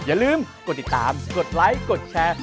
อย่าลืมกดติดตามกดไลค์กดแชร์